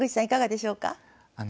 いかがでしょうか？